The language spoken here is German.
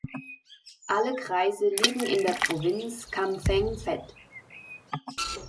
Alle Kreise liegen in der Provinz Kamphaeng Phet.